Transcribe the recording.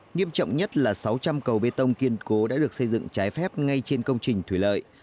nghiêm trọng nhất là sáu trăm linh cầu bê tông kiên cố đã được xây dựng trái phép ngay trên công trình thủy lợi